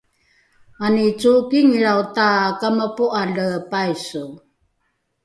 mani cookinglrao takamapo’ale paiso